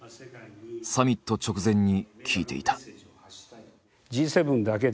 サミット直前に聞いていた。